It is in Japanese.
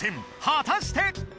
はたして！